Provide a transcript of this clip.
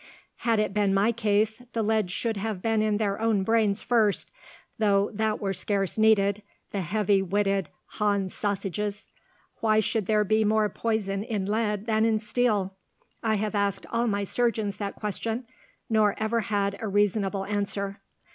"Had it been my case the lead should have been in their own brains first, though that were scarce needed, the heavy witted Hans Sausages. Why should there be more poison in lead than in steel? I have asked all my surgeons that question, nor ever had a reasonable answer.